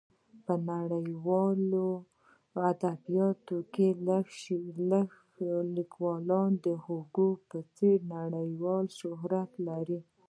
په نړیوالو ادبیاتو کې لږ لیکوال د هوګو په څېر نړیوال شهرت لري.